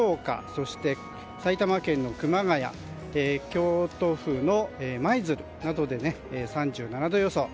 そして、埼玉県の熊谷京都府の舞鶴などで３７度予想。